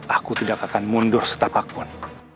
aku tidak akan mundur setapak pun